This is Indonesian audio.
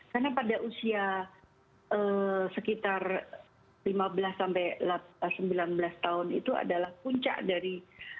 karena pada usia sekitar lima belas sampai sembilan belas tahun itu adalah puncak dari